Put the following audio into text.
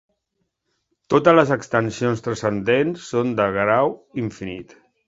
Totes les extensions transcendents són de grau infinit.